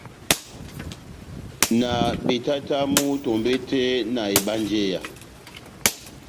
Na betatamu tombete na ebanjeya.